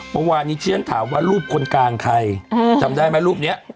เมื่อวานนี้ที่ฉันถามว่ารูปคนกลางใครจำได้ไหมรูปนี้